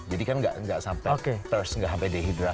jadi kan gak sampai thirst gak sampai dehidrasi